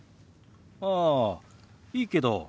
ああいいけど。